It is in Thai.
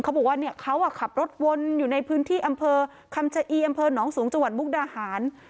เขาบอกว่าเนี่ยเขาขับรถวนอยู่ในพื้นที่อำเภอคำชะอีอำเภอหนองสูงจังหวัดมุกดาหาร